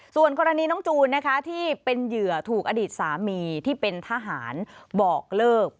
ส่วนกรณีน้องจูนนะคะที่เป็นเหยื่อถูกอดีตสามีที่เป็นทหารบอกเลิก